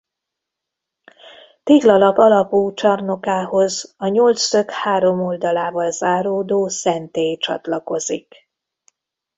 Téglalap alapú csarnokához a nyolcszög három oldalával záródó szentély csatlakozik.